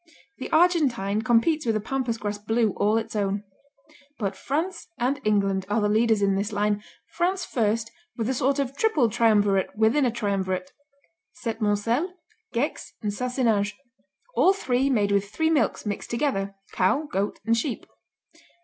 The Argentine competes with a pampas grass Blue all its own. But France and England are the leaders in this line, France first with a sort of triple triumvirate within a triumvirate Septmoncel, Gex, and Sassenage, all three made with three milks mixed together: cow, goat and sheep.